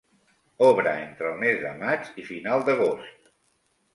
Obre entre el mes de maig i final d'agost.